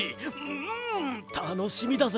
んたのしみだぜ！